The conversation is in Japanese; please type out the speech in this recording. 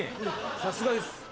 さすがです。